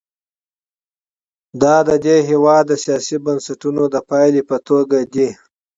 دا د دې هېواد د سیاسي بنسټونو د پایلې په توګه دي.